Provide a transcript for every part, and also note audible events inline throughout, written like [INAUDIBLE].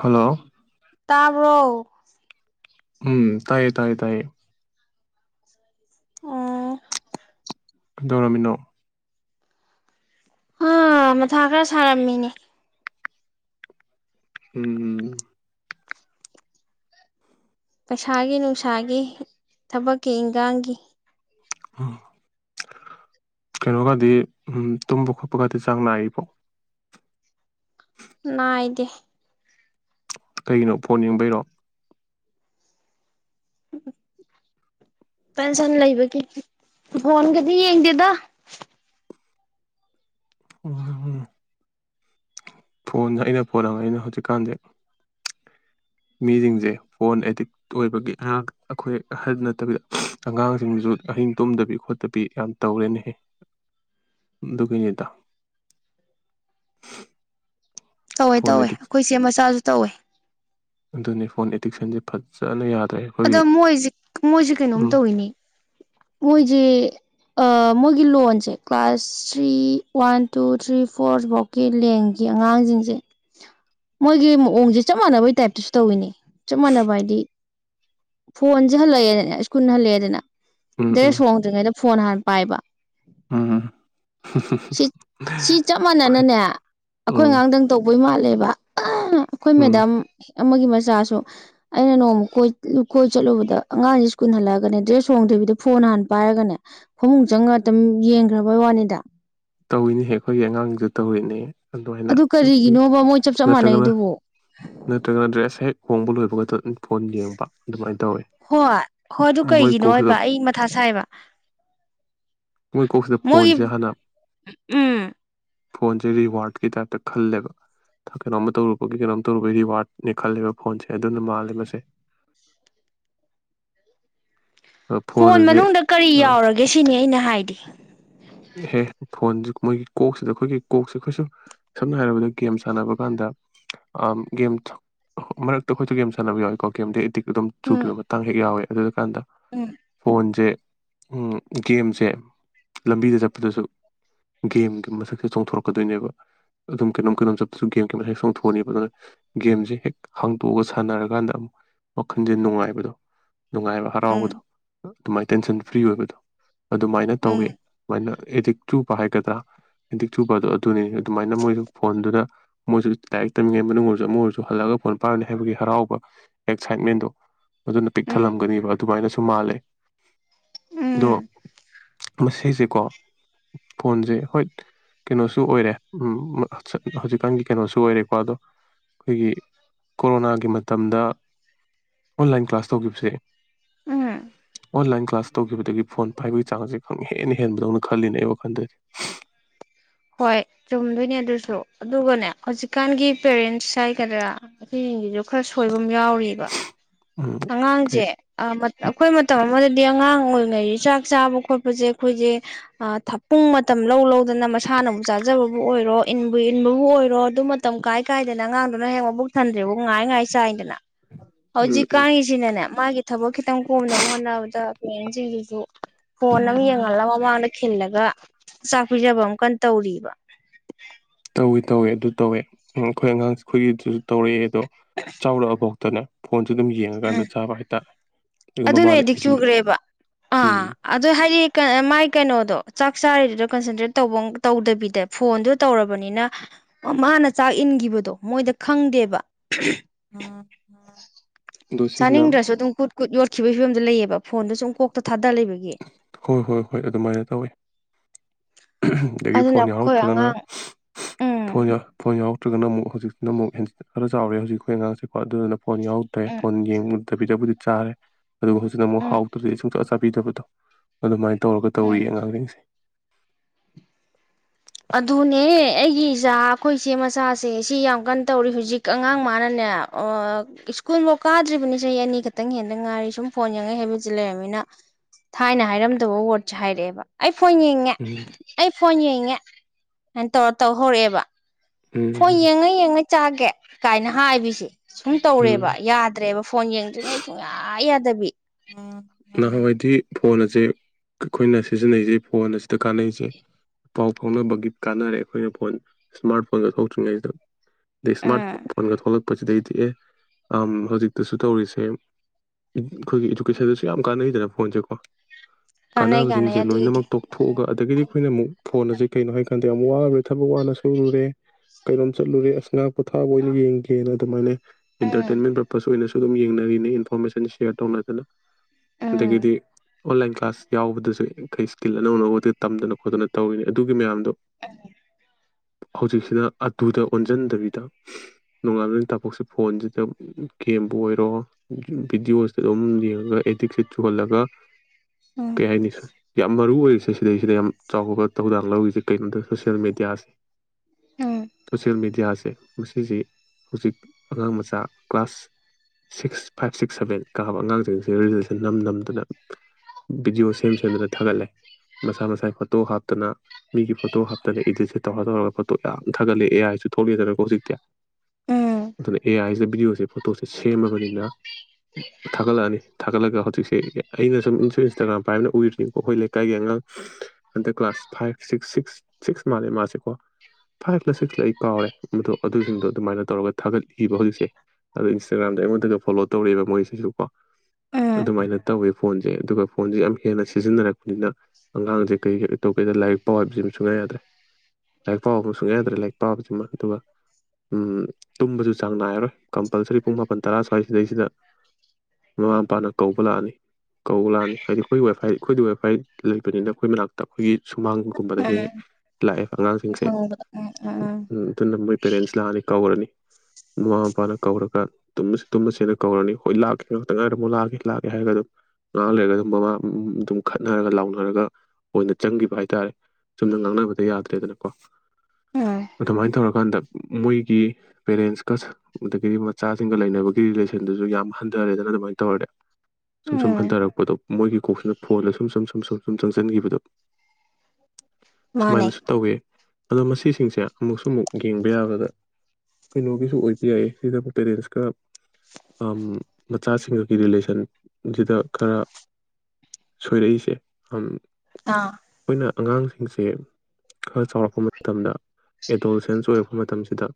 hello ꯇꯥꯔꯣ ꯎꯝ ꯇꯥꯏꯌꯦ ꯇꯥꯏꯌꯦ ꯇꯥꯏꯌꯦ ꯑꯣ ꯗꯣꯔꯣꯃꯤꯅꯣ ꯑ ꯃꯊꯥ ꯈꯔ ꯁꯥꯔꯝꯃꯤꯅꯦ ꯍꯝ ꯄꯩꯁꯥꯒꯤ ꯅꯨꯡꯁꯥꯒꯤ ꯊꯕꯛꯀꯤ ꯏꯟꯈꯥꯡꯒꯤ ꯎꯝ ꯀꯩꯅꯣꯒꯗꯤ ꯎꯝ ꯇꯨꯝꯕ ꯈꯣꯠꯄꯒꯗꯤ ꯆꯥꯡ ꯅꯥꯏꯏꯕꯣ ꯅꯥꯏꯗ ꯀꯩꯅꯣ ꯐꯣꯟꯅꯤꯡꯕꯩꯩꯅꯣ ꯄꯦꯟꯁꯟ ꯂꯩꯕꯒꯤ ꯐꯣꯟꯒꯗꯤ ꯌꯦꯡꯗꯦꯗ ꯑꯣ ꯐꯣꯟꯁ ꯑꯩꯅ ꯐꯣꯟꯂꯝꯝꯒ ꯑꯩꯅ ꯍꯧꯖꯤꯛꯀꯥꯟꯁꯦ ꯃꯤꯁꯤꯡꯁꯦ ꯐꯣꯟ ꯑꯦꯗꯤꯛ ꯑꯣꯏꯕꯒꯤ ꯑꯉꯥꯡ ꯑꯩꯈꯣꯏ ꯑꯍ ꯅꯠꯇꯕꯤꯗ ꯑꯉꯥꯡꯁꯤꯡꯁꯨ ꯑꯍꯤꯡ ꯇꯨꯝꯗꯕꯤ ꯈꯣꯠꯇꯕꯤ ꯌꯥꯝ ꯇꯧꯔꯦꯅꯦꯍ ꯑꯗꯨꯒꯤꯅꯤꯗ ꯇꯧꯋꯦ ꯐꯣꯟ ꯇꯧꯋꯦ ꯑꯦꯗꯤꯛ ꯑꯩꯈꯣꯏ ꯏꯁꯦ ꯃꯆꯥꯁꯨ ꯇꯧꯋꯦ ꯑꯗꯨꯅꯦ ꯐꯣꯟ ꯑꯦꯗꯤꯛꯁꯟꯁꯦ ꯐꯖꯅ ꯌꯥꯔꯦ ꯑꯗ ꯃꯣꯏꯁꯦ ꯃꯣꯏꯁꯦ ꯀꯩꯅꯣꯝ ꯇꯧꯋꯤꯅꯦ ꯃꯣꯏꯁꯦ ꯃꯣꯏꯒꯤ ꯂꯣꯟꯁꯦ class three one two three four ꯐꯧꯀꯤ ꯂꯦꯡꯒꯤ ꯑꯉꯥꯡꯁꯤꯡꯁꯦ ꯃꯣꯏꯒꯤ ꯃꯑꯣꯡꯁꯦ ꯆꯞ ꯃꯥꯟꯅꯕꯩ ꯇꯥꯏꯞꯇꯁꯨ ꯇꯧꯋꯤꯅꯦ ꯆꯞ ꯃꯥꯟꯅꯕ ꯍꯥꯏꯗꯤ ꯐꯣꯟꯁꯦ ꯍꯜꯂꯛꯑꯦꯗꯅ ꯁ꯭ꯀꯨꯜ ꯍꯜꯂꯛꯑꯦꯗꯅ ꯎꯝ ꯗ ꯎꯝ ꯁꯣꯡꯗ ꯀꯩꯗ ꯐꯣꯟ ꯍꯥꯥꯟ ꯄꯥꯏꯕ ꯎꯝ ꯁꯤ ꯆꯞ ꯑꯩꯈꯣꯏ ꯃꯥꯟꯅꯅꯅꯦ ꯑꯩꯈꯣꯏ ꯎꯝ ꯑꯥꯡꯗꯪ ꯇꯧꯕꯩ ꯃꯥꯜꯂꯦ ꯂꯩꯕ ꯑ ꯑꯩꯈꯣꯏ ꯎꯝ ꯃꯦꯗꯥꯝ ꯑꯃꯒꯤ ꯃꯆꯥꯁꯨ ꯑꯩꯅ ꯅꯣꯡꯃꯣꯏ ꯀꯣꯏ ꯆꯠꯂꯨꯕꯗ ꯑꯉꯥꯡꯁꯦ ꯁ꯭ꯀꯨꯜ ꯍꯜꯂꯛꯑꯒꯅꯦ ꯗ꯭ꯔꯦꯁ ꯍꯣꯡꯗꯕꯤꯗ ꯐꯣꯟ ꯍꯥꯟꯅ ꯄꯥꯏꯔꯒꯅꯦ ꯈꯃꯨꯡ ꯆꯪꯉ ꯑꯗꯨꯝ ꯌꯦꯡꯈ꯭ꯔꯕꯩ ꯋꯥꯅꯤꯗ ꯇꯧꯏꯅꯤꯍꯦ ꯑꯩꯈꯣꯏꯒꯤ ꯑꯉꯥꯡꯁꯨ ꯇꯧꯔꯤꯅꯦꯍ ꯑꯗꯨꯃꯥꯏꯅ ꯑꯗꯨ ꯀꯔꯤꯒꯤꯅꯣꯕ ꯃꯣꯏ ꯆꯞ ꯆꯞ ꯅꯠꯇ꯭ꯔꯒꯅ ꯃꯥꯟꯅꯩꯗꯨꯕꯣ ꯅꯠꯇ꯭ꯔꯒꯅ ꯗ꯭ꯔꯦꯁ ꯍꯦꯛ ꯍꯣꯡꯕ ꯂꯣꯏꯕꯒꯇ ꯐꯣꯟ ꯌꯦꯡꯕ ꯑꯗꯨꯃꯥꯏꯅ ꯇꯧꯋꯦ ꯍꯣꯏ ꯍꯣꯏ ꯑꯗꯨ ꯃꯣꯏ ꯀꯩꯒꯤꯅꯣ ꯀꯣꯛꯁꯤꯗ ꯍꯥꯏꯕ ꯑꯩ ꯃꯊꯥ ꯁꯥꯏꯕ ꯃꯣꯏ ꯀꯣꯛꯁꯤꯗ ꯃꯣꯏꯒꯤ ꯐꯣꯟꯁꯦ ꯍꯥꯟꯅ ꯎꯝ ꯐꯣꯟꯁꯦ ꯔꯤꯋꯥꯔꯠꯀꯤ ꯇꯥꯏꯞꯇ ꯈꯜꯂꯦꯕ ꯀꯩꯅꯣꯝ ꯇꯧꯔꯨꯕꯒꯤ ꯀꯩꯅꯣꯝ ꯇꯧꯔꯨꯕꯒꯤ ꯔꯤꯋꯥꯔꯠꯅꯦ ꯈꯜꯂꯦꯕ ꯐꯣꯟꯁꯦ ꯑꯗꯨꯅ ꯃꯥꯜꯂꯦ ꯃꯁꯦ ꯐꯣꯟ ꯃꯅꯨꯡꯗ ꯀꯔꯤ ꯌꯥꯎꯔꯒꯦ ꯁꯤꯅꯤ ꯑꯩꯅ ꯍꯥꯏꯗꯤ ꯍꯦ ꯐꯣꯟꯁꯤ ꯃꯣꯏꯒꯤ ꯀꯣꯛꯁꯤꯗ ꯑꯩꯈꯣꯏꯒꯤ ꯀꯣꯛꯁꯦ ꯑꯩꯈꯣꯏꯁꯨ ꯁꯝꯅ ꯍꯥꯏꯔꯕꯗ ꯒꯦꯝ ꯁꯥꯟꯅꯕ ꯀꯥꯟꯗ ꯒꯦꯝ ꯃꯔꯛꯇ ꯑꯩꯈꯣꯏꯁꯨ ꯒꯦꯝ ꯁꯥꯟꯅꯕ ꯌꯥꯎꯋꯤꯀꯣ ꯒꯦꯝꯗ ꯑꯦꯗꯤ ꯑꯗꯨꯝ ꯎꯝ ꯆꯨꯈꯤꯕ ꯃꯇꯥꯡ ꯍꯦꯛ ꯌꯥꯎꯋꯦ ꯑꯗꯨ ꯀꯥꯟꯗ ꯎꯝ ꯐꯣꯟꯁꯦ ꯒꯦꯝꯁꯦ ꯂꯝꯕꯤꯗ ꯆꯠꯄꯗꯁꯨ ꯒꯦꯝꯒꯤ ꯃꯁꯛꯁꯦ ꯆꯣꯡꯊꯣꯔꯛꯀꯗꯣꯏꯅꯦꯕ ꯑꯗꯨꯝ ꯀꯩꯅꯣꯝ ꯀꯩꯅꯣꯝ ꯆꯠꯄꯗꯁꯨ ꯒꯦꯝꯒꯤ ꯃꯁꯛ ꯆꯣꯡꯊꯣꯛꯑꯅꯦꯕ ꯑꯗꯨꯅ ꯒꯦꯝꯁꯦ ꯍꯦꯛ ꯍꯥꯡꯇꯣꯛꯑꯒ ꯁꯥꯟꯅꯔꯀꯥꯟꯗ ꯑꯃꯨꯛ ꯋꯥꯈꯜꯁꯦ ꯅꯨꯡꯉꯥꯏꯕꯗꯣ ꯅꯨꯡꯉꯥꯏꯕ ꯎꯝ ꯍꯔꯥꯎꯕꯗꯣ ꯑꯗꯨꯃꯥꯏꯅ ꯇꯦꯟꯁꯟ ꯐ꯭ꯔꯤ ꯑꯣꯏꯕꯗꯣ ꯑꯗꯨꯃꯥꯏ ꯇꯧꯋꯦ ꯎꯝ ꯑꯗꯨꯨꯃꯥꯏꯅ ꯑꯦꯗꯤꯛ ꯆꯨꯕ ꯍꯥꯏꯒꯗ꯭ꯔꯥ ꯑꯦꯗꯤꯛ ꯆꯨꯕꯗꯣ ꯑꯗꯨꯅꯤ ꯑꯗꯨꯃꯥꯏꯅ ꯃꯣꯏꯁꯨ ꯐꯣꯟꯗꯨꯗ ꯃꯣꯏꯁꯨ ꯂꯥꯏꯔꯤꯛ ꯇꯝꯃꯤꯉꯩ ꯃꯅꯨꯡ ꯑꯣꯏꯔꯁꯨ ꯑꯃꯣꯏ ꯑꯣꯏꯔꯁꯨ ꯍꯜꯂꯛꯑꯒ ꯐꯣꯟ ꯄꯥꯏꯔꯅꯤ ꯍꯥꯏꯕꯒꯤ ꯍꯔꯥꯎꯕ ꯑꯦꯛꯁꯥꯏꯠꯃꯦꯟꯗꯣ ꯑꯗꯨꯅ ꯄꯤꯛ ꯎꯝ ꯊꯜꯂꯝꯒꯅꯦꯕ ꯑꯗꯨꯃꯥꯏꯅ ꯁꯨꯃꯂꯦ ꯗꯣ ꯎꯝ ꯃꯁꯤꯁꯦꯀꯣ ꯐꯣꯟꯁꯦ ꯍꯣꯏ ꯀꯩꯅꯣꯁꯨ ꯑꯣꯏꯔꯦ ꯍꯧꯖꯤꯛꯀꯥꯟꯒꯤ ꯀꯩꯅꯣꯁꯨ ꯑꯣꯏꯔꯦꯀꯣ ꯑꯗꯣ ꯑꯩꯈꯣꯏꯒꯤ ꯀꯣꯔꯣꯅꯥꯒꯤ ꯃꯇꯝꯗ ꯑꯣꯟꯂꯥꯏꯟ ꯀ꯭ꯂꯥꯁ ꯇꯧꯈꯤꯕꯁꯦ ꯎꯝ ꯑꯣꯟꯂꯥꯏꯟ ꯀ꯭ꯂꯥꯁ ꯇꯧꯈꯤꯕꯗꯒꯤ ꯐꯣꯟ ꯐꯥꯏꯕꯒꯤ ꯆꯥꯡꯁꯦ ꯍꯦꯟꯅ ꯍꯦꯟꯕꯗꯧꯅ ꯈꯜꯂꯤꯅꯦ ꯑꯩ ꯋꯥꯈꯜꯗꯗꯤ ꯍꯣꯏ ꯆꯨꯝꯗꯣꯏꯅꯦ ꯑꯗꯨꯁꯨ ꯑꯗꯨꯒꯅꯦ ꯍꯧꯖꯤꯛꯀꯥꯟꯒꯤ ꯄꯦꯔꯦꯟꯁ ꯍꯥꯏꯒꯗ꯭ꯔꯥ ꯑꯩꯈꯣꯏꯁꯤꯡꯁꯤꯁꯨ ꯈꯔ ꯁꯣꯏꯕ ꯌꯥꯎꯔꯤꯕ ꯎꯝ ꯀꯩ ꯑꯉꯥꯡꯁꯦ ꯎꯝ ꯑꯩꯈꯣꯏ ꯃꯇꯝ ꯑꯃꯗꯗꯤ ꯑꯉꯥꯡ ꯑꯣꯏꯕ ꯉꯦꯔꯤ ꯆꯥꯛ ꯆꯥꯕ ꯈꯣꯠꯄꯁꯦ ꯑꯩꯈꯣꯏꯁꯦ ꯄꯨꯡ ꯃꯇꯝ ꯂꯧ ꯂꯧꯗꯅ ꯃꯁꯥꯅ ꯑꯃꯨꯛ ꯆꯥꯖꯕꯕꯨ ꯑꯣꯏꯔꯣ ꯏꯟꯕꯨ ꯏꯟꯕꯕꯨ ꯑꯣꯏꯔꯣ ꯑꯗꯨ ꯃꯇꯝ ꯀꯥꯏ ꯀꯥꯏꯗꯅ ꯑꯉꯥꯡꯗꯨꯅ ꯍꯦꯛ ꯃꯕꯨꯛ ꯊꯟꯗ꯭ꯦ ꯉꯥꯏ ꯉꯥꯏ ꯆꯥꯏꯗꯅ ꯍꯧꯖꯤ ꯎꯝ ꯎꯝ ꯀꯥꯉꯁꯤ ꯅꯅꯦꯅ ꯃꯥꯒꯤ ꯊꯕꯛ ꯈꯤꯇꯪ ꯀꯣꯝꯅꯕ ꯍꯣꯠꯅꯕꯗ ꯄꯦꯔꯦꯟꯁꯤꯡꯁꯤꯁꯨ ꯍꯅ ꯃꯤ ꯌꯦꯒꯜꯂ ꯋꯥꯃ ꯊꯈꯤꯜꯂꯒ ꯆꯥꯛ ꯄꯤꯖꯕ ꯑꯃꯛ ꯀꯟꯅ ꯇꯧꯔꯤꯕ ꯇꯧꯏꯤ ꯇꯧꯏꯤ ꯑꯗꯨ ꯇꯧꯋꯦ ꯑꯩꯈꯣꯏ ꯑꯉꯥꯡꯁꯦ ꯑꯩꯈꯣꯏꯒꯤꯗꯨꯁꯨ ꯇꯧꯔꯛꯑꯦ ꯑꯗꯨꯣ ꯆꯥꯎꯔꯛꯑꯐꯥꯎꯗꯅꯦ ꯐꯣꯟꯁꯨ ꯑꯗꯨꯝ ꯎꯝ ꯌꯦꯡꯉꯀꯥꯟꯗ ꯆꯥꯕ ꯍꯥꯏꯇꯥꯔꯦ ꯑꯗꯨꯒ ꯃ ꯑꯗꯨꯅ ꯃꯥꯥꯅ ꯑꯦꯗꯤꯛ ꯏꯟꯕ ꯆꯨꯈ꯭ꯔꯦꯕ ꯎꯝ ꯑꯥ ꯑꯗꯣ ꯍꯥꯏꯗꯤ ꯃꯥꯏ ꯀꯩꯅꯣꯗꯣ ꯆꯥꯛ ꯆꯥꯔꯤꯗꯨꯗ ꯀꯟꯁꯦꯟꯇ꯭ꯔꯦꯠ ꯇꯧꯕ ꯇꯧꯗꯕꯤꯗ ꯐꯣꯟꯗꯨ ꯇꯧꯔꯕꯅꯤꯅ ꯃꯥꯅ ꯆꯥꯛ ꯏꯟꯈꯤꯕꯗꯣ ꯃꯣꯏꯗ ꯈꯪꯗꯦꯕ ꯑ ꯑ ꯆꯥꯅꯤꯡꯗ꯭ꯔꯁꯨ ꯑꯗꯨꯝ ꯀꯨꯠ ꯀꯨꯠ ꯌꯣꯠꯈꯤꯕ ꯐꯤꯕꯝ ꯂꯩꯌꯦꯕ ꯐꯣꯟꯗ ꯁꯨꯝ ꯀꯣꯛꯇ ꯊꯥꯗ ꯂꯩꯕꯒꯤ ꯍꯣꯏ ꯍꯣꯏ ꯍꯣꯏ ꯑꯗꯨꯃꯥꯏꯅ ꯇꯧꯋꯤ ꯑꯗꯒꯤ ꯑꯗꯨꯅ ꯐꯣꯟ ꯑꯩꯈꯣꯏ ꯌꯥꯎꯔꯛꯇ꯭ꯔꯒꯅ ꯑꯉꯥꯡ ꯎꯝ ꯐꯣꯟ ꯐꯣꯟ ꯌꯥꯎꯔ ꯅꯠꯇ꯭ꯔꯒꯅ ꯑꯃꯨꯛ ꯍꯧꯖꯤꯁꯤꯅ ꯑꯃꯨꯛ ꯍꯦꯟꯟ ꯈ ꯆꯥꯎꯔꯦ ꯍꯧꯖꯤꯛ ꯑꯩꯈꯣꯏ ꯑꯉꯥꯡꯦꯣ ꯑꯗꯨꯗꯨꯅ ꯐꯣꯟ ꯌꯥꯎꯗꯦ ꯎꯝ ꯐꯣꯟ ꯌꯦꯡꯕꯤꯗ ꯆꯥꯔꯦ ꯑꯗꯨꯒ ꯍꯧꯖꯤꯛꯅ ꯑꯃꯨꯛ ꯎꯝ ꯍꯥꯎꯇꯕꯗꯤ ꯏ ꯁꯨꯡꯆꯣ ꯆꯥꯕꯤꯗꯕꯗꯣ ꯑꯗꯨꯥꯏ ꯇꯧꯔꯒ ꯇꯧꯔꯤ ꯎꯝ ꯑꯉꯥꯡꯁꯤꯡꯁꯦ ꯑꯗꯨꯅꯦ ꯑꯩꯒꯤ ꯏꯆꯥ ꯑꯩꯈꯣꯏꯁꯦ ꯃꯆꯥꯁꯦ ꯁꯤ ꯌꯥꯝ ꯀꯟꯅ ꯇꯧꯔꯤ ꯍꯧꯖꯤꯛ ꯑꯉꯥꯡ ꯃꯥꯅꯅꯦ ꯁ꯭ꯀꯨꯜꯐꯥꯎ ꯀꯥꯗ꯭ꯔꯤꯕꯅꯤ ꯆꯍꯤ ꯑꯅꯤ ꯈꯛꯇꯪ ꯍꯦꯟꯅ ꯉꯥꯏꯔꯤ ꯁꯨꯝ ꯐꯣꯟ ꯌꯦꯡꯉꯛ ꯍꯥꯏꯕꯕꯁꯤ ꯂꯩꯔꯃꯤꯅ ꯊꯥꯏꯅ ꯍꯥꯏꯔꯝꯗꯕ ꯋꯥꯔꯗꯁꯦ ꯍꯥꯏꯔꯛꯑꯦꯕ ꯑꯩ ꯐꯣꯟ ꯌꯦꯡꯉꯦ ꯎꯝ ꯑꯩ ꯐꯣꯟ ꯌꯦꯡꯉꯦ ꯍꯥꯏꯅ ꯇꯧꯔ ꯇꯧ ꯍꯧꯔꯛꯑꯦꯕ ꯑꯣ ꯎꯝ ꯌꯦꯡꯉ ꯌꯦꯡꯉ ꯆꯒꯦ ꯀꯥꯏꯅ ꯍꯥꯏꯕꯤꯁꯦ ꯁꯨꯝ ꯇꯧꯔꯦꯕ ꯎꯝ ꯌꯥꯗ꯭ꯔꯦꯕ ꯐꯣꯟ ꯌꯦꯡꯗ꯭ꯔꯤꯉ ꯑꯩ ꯁꯨꯡꯌꯥ ꯌꯥꯗꯕꯤ ꯅꯍꯥꯟꯋꯥꯏꯗꯤ ꯐꯣꯟ ꯑꯁꯦ ꯑꯩꯈꯣꯏꯅ ꯁꯤꯖꯤꯟꯅꯩꯁꯦ ꯐꯣꯟ ꯑꯁꯤꯗ ꯀꯥꯟꯅꯩꯁꯦ ꯄꯥꯎ ꯐꯥꯎꯅꯕꯒꯤ ꯀꯥꯟꯅꯔꯦ ꯑꯩꯈꯣꯏꯅ ꯐꯣꯟ ꯏꯁꯃꯥꯔꯠ ꯐꯣꯟꯗ ꯊꯣꯛꯇ꯭ꯔꯤꯉꯩꯁꯤꯗ ꯏꯁꯃꯥꯠ ꯎꯝ ꯐꯣꯟꯒ ꯐꯂꯛ ꯁꯤꯗꯩꯗꯤꯦꯛꯑꯦ ꯍꯧꯖꯤꯛꯇꯁꯨ ꯇꯧꯔꯤꯁꯦ ꯑꯩꯈꯣꯏꯒꯤ ꯏꯗꯨꯀꯦꯁꯟꯗ ꯌꯥꯝ ꯀꯥꯟꯅꯩꯗꯅ ꯐꯣꯟꯁꯦ ꯀꯣ ꯀꯥꯟꯅꯩ ꯀꯥꯟꯅꯩ ꯀꯥꯟꯅꯕꯁꯤꯡꯁꯦ ꯑꯗꯨꯏꯗꯤ ꯂꯣꯏꯅꯃꯛ ꯇꯣꯛꯊꯣꯛꯑꯒ ꯑꯗꯒꯤꯗꯤ ꯑꯩꯈꯣꯏꯅ ꯑꯃꯨꯛ ꯐꯣꯟ ꯑ ꯑꯁꯤꯦ ꯀꯩꯅꯣ ꯍꯥꯏ ꯀꯥꯟꯗ ꯌꯥꯝ ꯋꯥꯔꯨꯔꯦ ꯊꯕꯛ ꯋꯥꯅ ꯁꯨꯔꯨꯔꯦ ꯀꯩꯅꯣꯝ ꯆꯠꯂꯨꯔꯦ ꯑꯁ ꯉꯥꯛ ꯄꯣꯊꯥꯕ ꯑꯣꯏꯅ ꯌꯦꯡꯒꯦꯅ ꯑꯗꯨꯃꯥꯏꯅ ꯎꯝ ꯏꯟꯇꯔꯇꯦꯟꯦꯟ ꯄꯔ ꯑꯗꯨꯝ ꯌꯦꯡꯅꯔꯤꯅꯦ ꯏꯟꯐꯣꯔꯃꯦꯁꯟ ꯁꯤꯌꯥꯔ ꯇꯧꯅꯗꯅ ꯑꯗꯒꯤꯗꯤ ꯎꯝ ꯑꯣꯟꯂꯥꯏꯟ ꯀ꯭ꯂꯥꯁ ꯌꯥꯎꯕꯗꯁꯨ ꯀꯩ ꯏꯁꯀꯤꯜ ꯑꯅꯧ ꯑꯅꯧꯕꯗꯤ ꯇꯝꯗꯅ ꯈꯣꯠꯇꯅ ꯇꯧꯔꯤꯅꯤ ꯑꯗꯨꯒꯤ ꯃꯌꯥꯝꯗꯣ ꯎ ꯍꯧꯖꯤꯛꯁꯤꯅ ꯑꯗꯨꯗ ꯑꯣꯟꯁꯤꯟꯗꯕꯤꯗ ꯅꯣꯡꯉꯥꯗꯅꯤ ꯇꯥꯕꯛꯁꯤꯦ ꯐꯣꯟꯁꯤꯗ ꯒꯦꯝꯕꯨ ꯑꯣꯏꯔꯣ ꯚꯤꯗꯤꯑꯣꯁꯤꯇ ꯑꯗꯨꯝ ꯌꯦꯡꯉꯒ ꯑꯦꯊꯁꯤ ꯆꯜꯂꯒ ꯎꯝ ꯀꯌꯥꯥꯏ ꯁ ꯌꯥꯝ ꯃꯔꯨ ꯑꯣꯏꯔꯤꯁꯦ ꯁꯤꯗꯩꯁꯤꯗ ꯌꯥꯝ ꯆꯥꯎꯕ ꯊꯧꯗꯥꯡ ꯂꯧꯔꯤꯁꯤꯦ ꯀꯩꯅꯣꯗ ꯁꯣꯁꯦꯜ ꯃꯦꯗꯤꯌꯥꯁꯦ ꯎꯝ ꯁꯣꯁꯦꯜ ꯃꯦꯗꯤꯌꯥꯁꯦ ꯃꯁꯤꯁꯤ ꯍꯧꯖꯤꯛ ꯑꯉꯥꯡ ꯃꯆꯥ class six five six seven ꯀꯥꯕ ꯑꯉꯥꯡꯁꯤꯡꯁꯤ ꯍ ꯅꯝ ꯅꯝꯗꯅ ꯚꯤꯗꯤꯑꯣ ꯁꯦꯝ ꯁꯦꯝꯗꯅ ꯊꯥꯒꯠꯂꯦ ꯃꯁꯥ ꯃꯁꯥꯒꯤ ꯐꯣꯇꯣ ꯍꯥꯞꯇꯅ ꯃꯤꯒꯤ ꯐꯣꯇꯣ ꯍꯥꯞꯇꯅ ꯏꯗꯤꯠꯁꯦ ꯇꯧꯔ ꯇꯧꯔꯒ ꯐꯣꯇꯣ ꯌꯥꯝ ꯊꯥꯒꯠꯂꯤ ꯑꯦ ꯑꯥꯏꯁꯨ ꯊꯣꯛꯂꯦꯗꯔꯀꯣ ꯍꯧꯖꯤꯛꯇꯤ ꯎꯝ ꯑꯗꯨꯅ ꯑꯦ ꯑꯥꯏꯁꯤꯗ ꯚꯤꯗꯤꯑꯣꯁꯦ ꯐꯣꯇꯣꯁꯦ ꯁꯦꯝꯃꯕꯅꯤꯅ ꯊꯥꯒꯠꯂꯛꯑꯅꯤ ꯊꯥꯒꯠꯂꯒ ꯍꯧꯖꯤꯛꯁꯦ ꯑꯩꯅ ꯁꯨꯝꯁꯨ ꯏꯟꯁꯇꯥꯒ꯭ꯔꯥꯝ ꯄꯥꯏꯝꯅ ꯎꯏꯔꯤꯅꯤꯀꯣ ꯑꯩꯈꯣꯏ ꯂꯩꯀꯥꯏꯒꯤ ꯑꯉꯥꯡ ꯍꯟꯗꯛ class five six six six ꯃꯥꯜꯂꯦ ꯃꯥꯁꯦꯀꯣ ꯐꯥꯏꯚꯂ ꯁꯤꯛꯁꯂ ꯑꯩ ꯀꯥꯎꯔꯦ ꯃꯗꯣ ꯑꯗꯨꯁꯤꯡꯗꯣ ꯑꯗꯨꯃꯥꯏꯅ ꯇꯧꯔꯒ ꯊꯥꯒꯠꯂꯑꯕ ꯍꯧꯖꯤꯛꯁꯦ ꯑꯗꯣ ꯏꯟꯁꯇꯥꯒ꯭ꯔꯥꯝꯗ ꯑꯩꯉꯣꯟꯗꯒ ꯐꯣꯂꯣ ꯇꯧꯔꯛꯑꯦꯕ ꯃꯣꯏꯁꯤꯁꯨꯀꯣ ꯎꯝ ꯑꯗꯨꯃꯥꯏꯅ ꯇꯧꯋꯦꯤ ꯐꯣꯟꯁꯦ ꯑꯗꯨꯒ ꯐꯣꯟꯁꯦ ꯌꯥꯝ ꯍꯦꯟꯅ ꯁꯤꯖꯤꯟꯅꯔꯛꯄꯅꯤꯅ ꯑꯉꯥꯡꯁꯦ ꯀꯩꯇꯧ ꯀꯩꯗ ꯂꯥꯏꯔꯤꯛ ꯄꯥꯎ ꯍꯥꯏꯕꯕꯁꯤ ꯁꯨꯡꯉꯥꯏ ꯌꯥꯗ꯭ꯔꯦ ꯂꯥꯏꯔꯤꯛ ꯄꯥꯕ ꯑꯃ ꯁꯨꯡꯛꯌꯥ ꯌꯥꯗ꯭ꯔꯦ ꯂꯥꯏꯔꯤꯛ ꯄꯥꯕꯁꯤꯃ ꯑꯗꯨꯒ ꯇꯨꯝꯕꯁꯨ ꯆꯥꯡ ꯅꯥꯏꯔꯔꯣꯏ ꯀꯝꯄꯜꯁꯔꯤ ꯄꯨꯡ ꯃꯥꯄꯜ ꯇꯔꯥ ꯁ꯭ꯋꯥꯏꯁꯤꯗꯩꯁꯤꯗ ꯃꯃꯥ ꯃꯄꯥꯅ ꯀꯧꯕ ꯂꯥꯛꯑꯅꯤ ꯀꯧꯕ ꯂꯥꯛꯑꯅꯤ ꯍꯥꯏꯗꯤ ꯑꯩꯈꯣꯏ ꯋꯥꯏꯐꯥꯏ ꯑꯩꯈꯣꯏꯗꯤ ꯋꯥꯏꯐꯥꯏ ꯂꯩꯕꯅꯤꯅ ꯑꯩꯈꯣꯏ ꯃꯅꯥꯛꯇ ꯑꯩꯈꯣꯏꯒꯤ ꯁꯨꯃꯥꯡꯒꯨꯝꯕꯗ ꯍꯦꯛ ꯍꯦꯛ ꯎꯝ ꯂꯥꯛꯑꯦꯕ ꯑꯉꯥꯡꯁꯤꯡꯁꯦ ꯈꯪꯕꯗꯣ ꯎꯝ ꯎꯝ ꯑꯗꯨꯅ ꯃꯣꯏ ꯄꯦꯔꯦꯟꯁ ꯂꯥꯛꯑꯅꯤ ꯀꯧꯔꯅꯤ ꯃꯃꯥ ꯃꯄꯥꯅ ꯀꯧꯔꯒ ꯇꯨꯝꯃꯁꯦꯅ ꯀꯧꯔꯅꯤ ꯍꯣꯏ ꯂꯥꯛꯀꯦ ꯉꯍꯥꯛꯇ ꯉꯥꯏꯔꯗ ꯑꯃꯨꯛ ꯂꯥꯛꯑꯒꯦ ꯂꯥꯛꯒꯦ ꯍꯥꯏꯔꯒ ꯑꯗꯨꯝ ꯉꯥꯏꯍꯥꯡ ꯂꯩꯔꯒ ꯑꯗꯨꯝ ꯃꯃꯥ ꯑꯗꯨꯝ ꯈꯠꯅꯔꯒ ꯂꯥꯎꯅꯔꯒ ꯑꯣꯏꯅ ꯆꯪꯒꯤꯈꯤꯕ ꯍꯥꯏꯇꯥꯔꯦ ꯁꯨꯝꯅ ꯉꯥꯡꯅꯕꯗ ꯌꯥꯗ꯭ꯔꯦꯗꯅꯀꯣ ꯎꯝ ꯑꯗꯨꯃꯥꯏꯅ ꯇꯧꯔꯒ ꯀꯥꯟꯗ ꯃꯣꯏꯒꯤ ꯄꯦꯔꯦꯟꯁꯀ ꯑꯗꯒꯤꯗꯤ ꯃꯆꯥꯁꯤꯡꯒ ꯂꯩꯅꯕꯒꯤ ꯔꯤꯂꯦꯁꯟꯗꯨꯁꯨ ꯌꯥꯝ ꯍꯟ ꯔꯦꯗꯅ ꯑꯗꯨꯃꯥꯏꯅ ꯇꯧꯔꯒꯦ ꯁꯨꯝ ꯁꯨꯝ ꯎꯝ ꯍꯟꯊꯔꯛꯄꯗꯣ ꯃꯣꯏꯒꯤ ꯀꯣꯛꯁꯤꯅ ꯐꯣꯟꯗ ꯁꯨꯝ ꯁꯨꯝ ꯁꯨꯝ ꯁꯨꯝ ꯁꯨꯝ ꯆꯪꯁꯤꯟꯈꯤꯕꯗꯣ ꯃꯥꯅꯦ ꯁꯨꯃꯥꯏꯅꯁꯨ ꯇꯧꯋꯦ ꯑꯗꯣ ꯃꯁꯤꯁꯤꯡꯁꯦ ꯑꯃꯨꯛꯁꯨ ꯑꯃꯨꯛ ꯌꯦꯡꯕ ꯌꯥꯕꯗ ꯀꯩꯅꯣꯒꯤꯁꯨ ꯑꯣꯏꯕ ꯌꯥꯏꯌꯦ ꯁꯤꯗꯕꯨ ꯄꯦꯔꯦꯟꯁꯀ ꯃꯆꯥꯁꯤꯡꯒꯒꯤ ꯔꯤꯂꯦꯁꯟꯁꯤꯗ ꯈꯔ ꯁꯣꯏꯔꯛꯏꯁꯦ ꯑꯥ ꯑꯩꯅ ꯑꯉꯥꯡꯁꯤꯡꯁꯦ ꯈꯔ ꯆꯥꯎꯔꯛꯄ ꯃꯇꯝꯗ ꯑꯦꯗꯣꯜꯁꯦꯟꯁ ꯑꯣꯏꯔꯛꯄ ꯃꯇꯝꯁꯤꯗ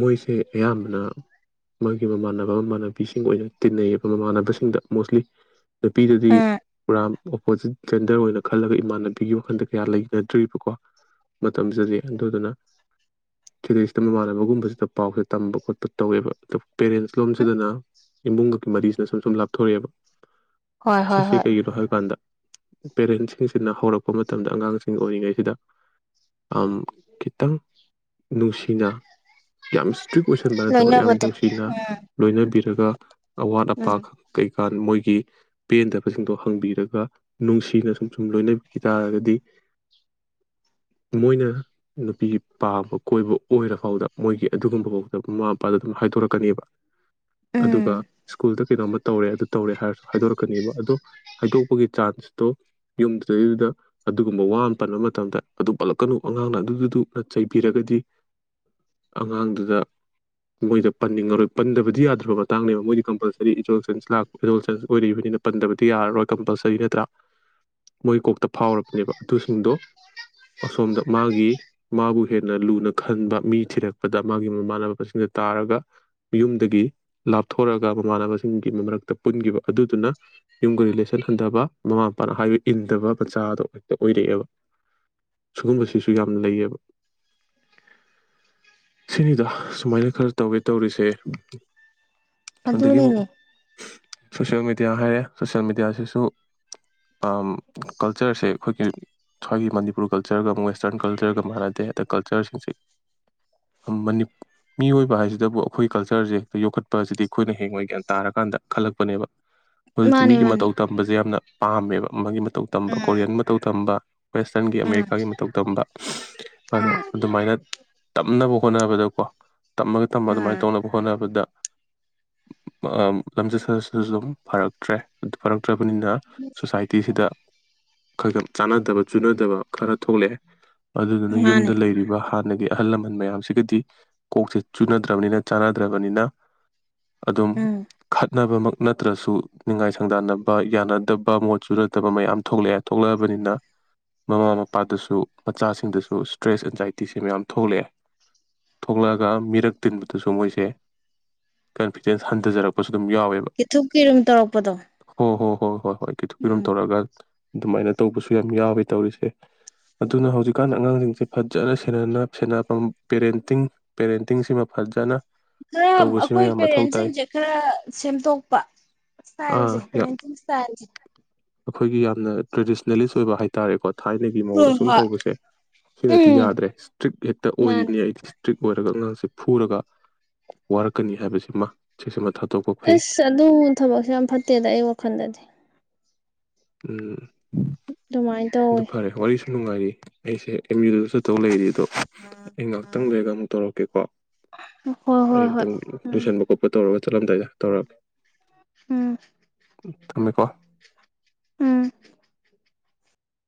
ꯃꯣꯏꯁꯦ ꯑꯌꯥꯝꯕꯅ ꯃꯥꯒꯤ ꯃꯃꯥꯟꯅꯕ ꯃꯃꯥꯟꯅꯕꯤꯁꯤꯡ ꯑꯣꯏꯅ ꯇꯤꯟꯅꯩꯌꯦꯕ ꯃꯃꯥꯟꯅꯕꯁꯤꯡꯗ ꯃꯣꯁꯂꯤ ꯅꯨꯄꯤꯗꯗꯤ ꯎꯝ ꯄꯨꯔꯥ ꯑꯣꯄꯣꯖꯤꯠ ꯖꯦꯟꯗꯔ ꯑꯣꯏꯅ ꯈꯜꯂꯒ ꯏꯃꯥꯟꯅꯕꯤꯒꯤ ꯋꯥꯈꯟꯗ ꯀꯌꯥ ꯂꯩꯅꯗ꯭ꯔꯤꯕꯀꯣ ꯃꯇꯝꯁꯤꯗꯤ ꯑꯗꯨꯗꯨꯅ ꯐꯤꯗꯩꯁꯤꯇ ꯃꯃꯥꯟꯅꯕꯒꯨꯝꯕꯁꯤꯗ ꯄꯥꯎꯁꯦ ꯇꯝꯕ ꯈꯣꯠꯄ ꯇꯧꯋꯦꯕ ꯑꯗꯨ ꯄꯦꯔꯦꯟꯁ ꯂꯣꯝꯁꯤꯗꯅ ꯏꯃꯨꯡꯒꯛꯀꯤ ꯃꯔꯤꯁꯤꯅ ꯁꯨꯝ ꯁꯨꯝ ꯂꯥꯞꯊꯣꯔꯛꯑꯦꯕ ꯍꯣꯏ ꯍꯣꯏ ꯁꯤꯁꯦ ꯍꯣꯏ ꯀꯩꯒꯤꯅꯣ ꯍꯥꯏꯕꯀꯥꯟꯗ ꯄꯦꯔꯦꯟꯁꯤꯡꯁꯤꯅ ꯍꯧꯔꯛꯄ ꯃꯇꯝꯗ ꯑꯉꯥꯡꯁꯤꯡ ꯑꯣꯏꯔꯤꯉꯩꯁꯤꯗ ꯈꯤꯇꯪ ꯅꯨꯡꯁꯤꯅ ꯌꯥꯝ ꯏꯁꯇ꯭ꯔꯤꯛ ꯑꯣꯏꯁꯟꯕꯅꯠꯇꯕ ꯌꯥꯝ ꯂꯣꯏꯅꯕꯗꯣ ꯅꯨꯡꯁꯤꯅ ꯎꯝ ꯂꯣꯏꯅꯕꯤꯔꯒ ꯑꯋꯥꯠ ꯑꯄꯥ ꯎꯝ ꯈ ꯀꯩ ꯖꯤꯀꯥꯟ ꯃꯣꯏꯒꯤ ꯄꯦꯟꯗꯕꯁꯤꯡꯗꯣ ꯍꯪꯕꯤꯔꯒ ꯅꯨꯡꯁꯤꯅ ꯁꯨꯝ ꯁꯨꯝ ꯂꯣꯏꯅꯕꯤꯈꯤ ꯇꯥꯔꯒꯗꯤ ꯃꯣꯏꯅ ꯅꯨꯄꯤ ꯄꯥꯝꯕ ꯀꯣꯏꯕ ꯑꯣꯏꯔꯐꯥꯎꯗ ꯃꯣꯏꯒꯤ ꯑꯗꯨꯒꯨꯝꯕ ꯐꯥꯎꯗ ꯃꯃꯥ ꯃꯄꯥꯗ ꯑꯗꯨꯝ ꯍꯥꯏꯗꯣꯔꯛꯀꯅꯦꯕ ꯎꯝ ꯑꯗꯨꯒ ꯁ꯭ꯀꯨꯜꯗ ꯀꯩꯅꯣꯝꯃ ꯇꯧꯔꯦ ꯑꯗꯨ ꯇꯧꯔꯦ ꯍꯥꯏꯔꯁꯨ ꯍꯥꯏꯗꯣꯔꯛꯀꯅꯦꯕ ꯑꯗꯣ ꯍꯥꯏꯗꯣꯛꯄꯒꯤ ꯆꯥꯟꯁꯇꯣ ꯌꯨꯝꯗꯨꯗꯩꯗꯨꯗ ꯑꯗꯨꯒꯨꯝꯕ ꯋꯥ ꯑꯃ ꯄꯟꯕ ꯃꯇꯝꯗ ꯑꯗꯨ ꯄꯜꯂꯛꯀꯅꯨ ꯑꯉꯥꯡꯅ ꯑꯗꯨꯗꯨꯗꯨꯅ ꯆꯩꯕꯤꯔꯒꯗꯤ ꯑꯉꯥꯡꯗꯨꯗ ꯃꯣꯏꯗ ꯄꯟꯅꯤꯡꯉꯔꯣꯏ ꯄꯟꯗꯕꯗꯤ ꯌꯥꯗ꯭ꯔꯕ ꯃꯇꯥꯡꯅꯦꯕ ꯃꯣꯏꯗꯤ ꯀꯝꯄꯜꯁꯔꯤ ꯑꯦꯗꯣꯜꯁꯦꯟꯁ ꯂꯥꯛꯄ ꯑꯦꯗꯣꯜꯁꯦꯟꯁ ꯑꯣꯏꯔꯛꯏꯕꯅꯤꯅ ꯄꯟꯗꯕꯗꯤ ꯌꯥꯔꯔꯣꯏ ꯀꯝꯄꯜꯁꯔꯤ ꯅꯠꯇ꯭ꯔꯥ ꯃꯣꯏ ꯀꯣꯛꯇ ꯐꯥꯎꯔꯕꯅꯦꯕ ꯑꯗꯨꯁꯤꯡꯗꯣ ꯑꯁꯣꯝꯗ ꯃꯥꯒꯤ ꯃꯥꯕꯨ ꯍꯦꯟꯅ ꯂꯨꯅ ꯈꯟꯕ ꯃꯤ ꯊꯤꯔꯛꯄꯗ ꯃꯥꯒꯤ ꯃꯃꯥꯟꯅꯕꯁꯤꯡꯅ ꯇꯥꯔꯒ ꯌꯨꯝꯗꯒꯤ ꯂꯥꯞꯊꯣꯔꯒ ꯃꯃꯥꯟꯅꯕꯁꯤꯡꯒꯤ ꯃꯔꯛꯇ ꯄꯨꯟꯈꯤꯕ ꯑꯗꯨꯗꯨꯅ ꯌꯨꯝꯒ ꯔꯤꯂꯦꯁꯟ ꯍꯟꯊꯕ ꯃꯃꯥ ꯃꯄꯥꯅ ꯍꯥꯏꯕ ꯏꯟꯗꯕ ꯃꯆꯥꯗꯣ ꯍꯦꯛꯇ ꯑꯣꯏꯔꯛꯑꯦꯕ ꯁꯨꯒꯨꯝꯕꯁꯤꯁꯨ ꯌꯥꯝ ꯂꯩꯌꯦꯕ ꯁꯤꯅꯤꯗ ꯁꯨꯃꯥꯏꯅ ꯈꯔ ꯇꯧꯋꯦ ꯇꯧꯔꯤꯁꯦ ꯎ ꯑꯗꯨꯅꯤꯅꯦ ꯁꯣꯁꯦꯜ ꯃꯦꯗꯤꯌꯥ ꯍꯥꯏꯔꯦ ꯁꯣꯁꯦꯜ ꯃꯦꯗꯤꯌꯥꯁꯤꯁꯨ ꯀꯜꯆꯔꯁꯦ ꯑꯩꯈꯣꯏꯒꯤ ꯁ꯭ꯋꯥꯏꯒꯤ ꯃꯅꯤꯄꯨꯔ ꯀꯜꯆꯔꯒ ꯋꯦꯁꯇꯔꯟ ꯀꯜꯆꯔꯒ ꯃꯥꯟꯅꯗꯦ ꯑꯗ ꯀꯜꯆꯔꯁꯤꯡꯁꯦ ꯃꯤꯑꯣꯏꯕ ꯍꯥꯏꯁꯤꯗꯕꯨ ꯑꯩꯈꯣꯏ ꯀꯜꯆꯔꯁꯦ ꯍꯦꯛꯇ ꯌꯣꯛꯈꯠꯄ ꯑꯁꯤꯗꯤ ꯑꯩꯈꯣꯏꯅ ꯍꯦꯡꯉꯣꯏ ꯒ꯭ꯌꯥꯟ ꯇꯥꯔꯀꯥꯟꯗ ꯈꯜꯂꯛꯄꯅꯦꯕ ꯍꯧꯖꯤꯛꯇꯤ ꯃꯥꯅꯦ ꯃꯤꯒꯤ ꯃꯥꯅꯦ ꯃꯇꯧ ꯇꯝꯕꯁꯦ ꯌꯥꯝꯅ ꯄꯥꯝꯃꯦꯕ ꯃꯥꯒꯤ ꯃꯇꯧ ꯇꯝꯕ ꯎꯝ ꯀꯣꯔꯤꯌꯟ ꯃꯇꯧ ꯇꯝꯕ ꯋꯦꯁꯇ꯭ꯔꯟꯒꯤ ꯎꯝ ꯑꯃꯦꯔꯤꯀꯥꯒꯤ ꯃꯇꯧ ꯇꯝꯕ ꯑꯗꯣ ꯎꯝ ꯑꯗꯨꯃꯥꯏꯅ ꯇꯝꯅꯕ ꯍꯣꯠꯅꯕꯗꯀꯣ ꯇꯝꯃꯒ ꯇꯝꯕ ꯑꯗꯨꯃꯥꯏꯅ ꯎꯝ ꯍꯅꯕꯗ ꯂꯝꯖꯠ ꯁꯖꯠꯁꯨ ꯑꯗꯨꯝ ꯐꯔꯛꯇ꯭ꯔꯦ ꯅꯠꯇ꯭ꯔꯕꯅꯤꯅ ꯁꯣꯁꯥꯏꯇꯤꯁꯤꯗ ꯈ ꯆꯥꯟꯅꯗꯕ ꯆꯨꯅꯗꯕ ꯈꯔ ꯊꯣꯛꯂꯛꯑꯦ ꯑꯗꯨꯗꯨꯅ ꯌꯨꯝꯗ ꯃꯥꯅꯦ ꯂꯩꯔꯤꯕ ꯍꯥꯟꯅ ꯑꯍꯜ ꯂꯃꯟ ꯃꯌꯥꯝꯁꯤꯒꯗꯤ ꯀꯣꯛꯁꯦ ꯆꯨꯅꯗ꯭ꯔꯕꯅꯤꯅ ꯆꯥꯟꯅꯗ꯭ꯔꯕꯅꯤꯅ ꯑꯗꯨꯝ ꯎꯝ ꯈꯠꯅꯕꯃꯛ ꯅꯠꯇ꯭ꯔꯁꯨ ꯅꯤꯡꯉꯥꯏ ꯁꯪꯗꯥꯟꯅꯕ ꯌꯥꯅꯗꯕ ꯃꯣꯠ ꯆꯨꯅꯗꯕ ꯃꯌꯥꯝ ꯊꯣꯛꯂꯛꯑꯦ ꯊꯣꯛꯂꯛꯑꯕꯅꯤꯅ ꯃꯃꯥ ꯃꯄꯥꯗꯁꯨ ꯃꯆꯥꯁꯤꯡꯗꯁꯨ ꯁ꯭ꯇ꯭ꯔꯦꯁ ꯑꯦꯟꯖꯥꯏꯇꯤꯁꯦ ꯃꯌꯥꯝ ꯊꯣꯛꯂꯛꯑꯦ ꯊꯣꯛꯂꯛꯑꯒ ꯃꯤꯔꯛ ꯇꯤꯟꯕ ꯑꯗꯨꯁꯨ ꯃꯣꯏꯁꯦ ꯀꯟꯐꯤꯗꯦꯟꯁ ꯍꯟꯊꯖꯔꯛꯄ ꯀꯤꯊꯨꯞꯀꯤꯔꯨꯝ ꯇꯧꯔꯛꯄꯗꯣ ꯍꯣꯏ ꯍꯣꯏ ꯍꯣꯏ ꯈꯤꯇ ꯀꯈꯤꯇꯣꯝ ꯎꯝ ꯇꯧꯔꯒ ꯑꯗꯨꯃꯥꯏꯅ ꯇꯧꯕꯁꯨ ꯌꯥꯝ ꯌꯥꯎꯋꯤ ꯇꯧꯔꯤꯁꯦ ꯑꯗꯨꯅ ꯍꯧꯖꯤꯛꯀꯥꯟꯗ ꯑꯉꯥꯡꯁꯤꯡꯁꯦ ꯐꯖꯅ ꯁꯦ ꯄꯦꯔꯦꯟꯇꯤꯡ ꯄꯦꯔꯦꯟꯇꯤꯡꯁꯤꯃ ꯐꯖꯅ ꯈꯔ ꯇꯧꯕꯁꯤꯃ ꯑꯩꯈꯣꯏ ꯌꯥꯝ ꯃꯊꯧ ꯇꯥꯏ ꯄꯦꯔꯦꯟꯁꯤꯡꯁꯦ ꯈꯔ ꯁꯦꯝꯗꯣꯛꯄ ꯏꯁꯇꯥꯏꯜꯁꯦ ꯑꯥ ꯄꯦꯔꯦꯟꯁꯤꯡꯤꯡ ꯏꯁꯇꯥꯏꯜꯁꯦ ꯑꯩꯈꯣꯏꯒꯤ ꯌꯥꯝꯅ ꯇ꯭ꯔꯦꯗꯤꯁꯅꯦꯂꯤꯁ ꯑꯣꯏꯕ ꯍꯥꯏꯇꯥꯔꯦꯀꯣ ꯊꯥꯏꯅꯒꯤ ꯍꯣꯏ ꯃꯑꯣꯡꯗ ꯁꯨꯝ ꯍꯣꯏ ꯇꯧꯕꯁꯦ ꯁꯤꯅꯗꯤ ꯎꯝ ꯌꯥꯗ꯭ꯔꯦ ꯏꯁꯇ꯭ꯔꯤꯛ ꯍꯦꯛꯇ ꯃꯥꯅꯦ ꯑꯣꯏꯔꯤꯅꯤ ꯑꯩꯗꯤ ꯏꯁꯇ꯭ꯔꯤꯛ ꯑꯣꯏꯔꯒ ꯉꯖꯦ ꯁ ꯐꯨꯔꯒ ꯋꯥꯔꯛꯀꯅꯤ ꯍꯥꯏꯕꯁꯤꯃ ꯁꯤꯁꯤꯃ ꯊꯥꯗꯣꯛꯄ ꯐꯩ ꯑꯁ ꯑꯗꯨ ꯊꯕꯛꯁꯨ ꯌꯥꯝ ꯐꯠꯇꯦꯗ ꯑꯩ ꯋꯥꯈꯜꯗꯗꯤ ꯎꯝ ꯑꯗꯨꯃꯥꯏꯅ ꯑꯗꯨ ꯇꯧꯋꯤ ꯐꯔꯦ ꯋꯥꯔꯤꯁꯨ ꯅꯨꯡꯉꯥꯏꯔꯤ ꯑꯩꯁꯦ ꯑꯦꯝ ꯌꯨꯗꯨꯗꯁꯨ ꯇꯧ ꯂꯩꯔꯤ ꯑꯗꯣ ꯑꯩ ꯉꯥꯏꯍꯥꯛꯇꯪ ꯂꯩꯔꯒ ꯑꯃꯨꯛ ꯇꯧꯔꯛꯀꯦꯀꯣ ꯍꯣꯏ ꯍꯣꯏ ꯍꯣꯏ ꯑꯝꯇꯪ ꯎꯝ ꯇꯨꯁꯟꯕ ꯈꯣꯠꯄ ꯇꯧꯔꯕ ꯆꯠꯂꯝꯗꯥꯏ ꯇꯧꯔꯛꯑꯃꯦ ꯎꯝ ꯊꯝꯃꯦꯀꯣ [UNINTELLIGIBLE] ꯎꯝ